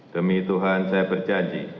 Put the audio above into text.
demi tuhan saya berjanji